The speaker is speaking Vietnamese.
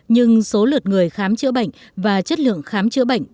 nhưng số lượt người khám chữa bệnh và chất lượng khám chữa bệnh